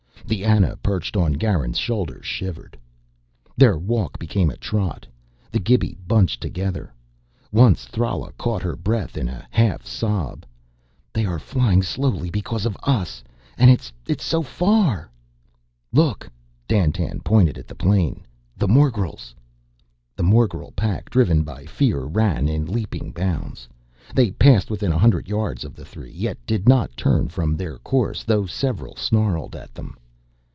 The Ana, perched on Garin's shoulder, shivered. Their walk became a trot; the Gibi bunched together. Once Thrala caught her breath in a half sob. "They are flying slowly because of us. And it's so far " "Look!" Dandtan pointed at the plain. "The morgels!" The morgel pack, driven by fear, ran in leaping bounds. They passed within a hundred yards of the three, yet did not turn from their course, though several snarled at them.